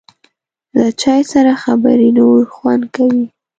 له چای سره خبرې نور خوند کوي.